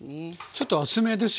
ちょっと厚めですよね？